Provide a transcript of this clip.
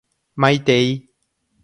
Maitei.